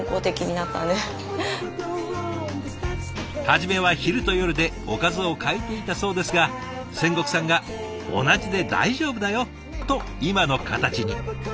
初めは昼と夜でおかずを変えていたそうですが仙石さんが「同じで大丈夫だよ！」と今の形に。